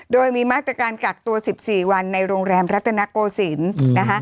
โดยมีมาตรการกักตัว๑๔วันในโรงแรมรัตนโกศิลป์นะคะ